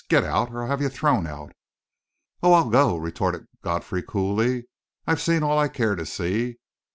Get out, or I'll have you thrown out!" "Oh, I'll go," retorted Godfrey coolly. "I've seen all I care to see.